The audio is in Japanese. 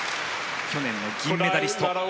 去年の銀メダリスト。